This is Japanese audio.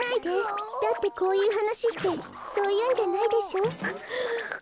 だってこういうはなしってそういうんじゃないでしょ？くっくっ。